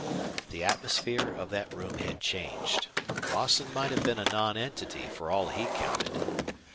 The atmosphere of that room had changed. Lawson might have been a nonentity for all he counted.